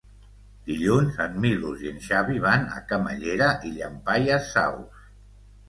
Dilluns en Milos i en Xavi van a Camallera i Llampaies Saus.